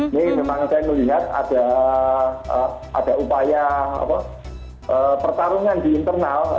ini memang saya melihat ada upaya pertarungan di internal